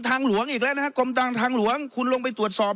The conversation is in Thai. ทางหลวงอีกแล้วนะฮะกรมทางหลวงคุณลงไปตรวจสอบ